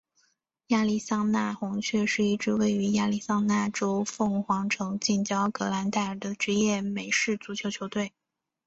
亚利桑那红雀是一支位于亚利桑那州凤凰城近郊格兰岱尔的职业美式足球球队。